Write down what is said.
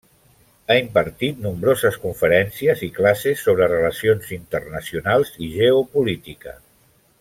Ha impartit nombroses conferències i classes sobre Relacions Internacionals i Geopolítica.